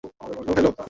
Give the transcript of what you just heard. ওহ, hello.